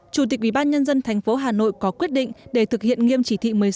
chủ tịch ubnd tp hà nội có quyết định để thực hiện nghiêm chỉ thị một mươi sáu